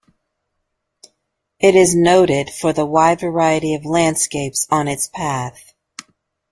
It is noted for the wide variety of landscapes on its path.